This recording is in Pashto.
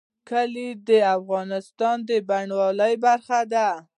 کلي د افغانستان د بڼوالۍ برخه ده.